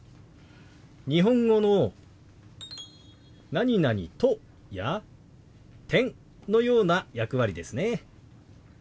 日本語の「と」や「、」のような役割ですね。